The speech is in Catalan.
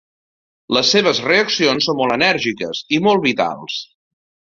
Les seves reaccions són molt enèrgiques i molt vitals.